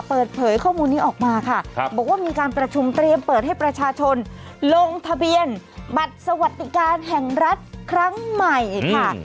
เปิดเผยข้อมูลนี้ออกมาค่ะบอกว่ามีการประชุมเตรียมเปิดให้ประชาชนลงทะเบียนบัตรสวัสดิการแห่งรัฐครั้งใหม่ค่ะ